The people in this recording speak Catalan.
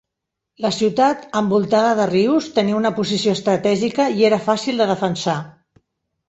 La ciutat, envoltada de rius, tenia una posició estratègica i era fàcil de defensar.